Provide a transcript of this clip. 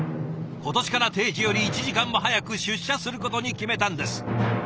今年から定時より１時間も早く出社することに決めたんです。